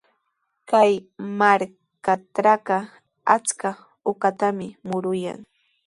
Kay markatrawqa achka uqatami muruyan.